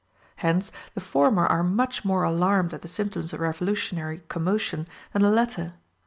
Hence the former are much more alarmed at the symptoms of revolutionary commotion than the latter.